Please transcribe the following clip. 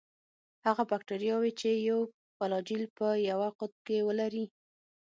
هغه باکتریاوې چې یو فلاجیل په یوه قطب کې ولري.